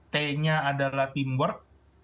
t nya adalah teamwork